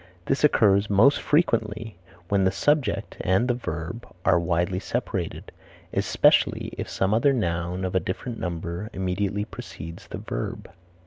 This occurs most frequently when the subject and the verb are widely separated, especially if some other noun of a different number immediately precedes the verb.